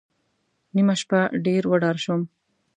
نیمه شپه ډېر وډار شوم.